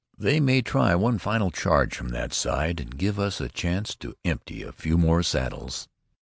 "They may try one final charge from that side, and give us a chance to empty a few more saddles."